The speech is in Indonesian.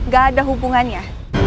gak ada hubungannya